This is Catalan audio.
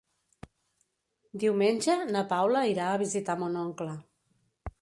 Diumenge na Paula irà a visitar mon oncle.